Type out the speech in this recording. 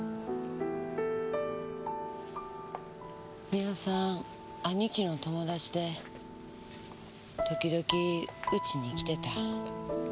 三輪さん兄貴の友達で時々家に来てた。